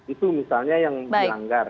itu misalnya yang dilanggar